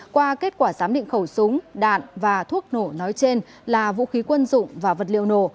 qua kết quả giám định khẩu súng đạn và thuốc nổ nói trên là vũ khí quân dụng và vật liệu nổ